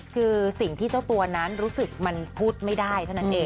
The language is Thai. คือสิ่งที่เจ้าตัวนั้นรู้สึกมันพูดไม่ได้เท่านั้นเอง